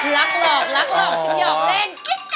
รักหลอกจึงหยอกเล่น